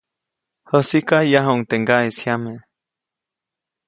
Jäsiʼka, yajuʼuŋ teʼ ŋgaʼeʼis jyame.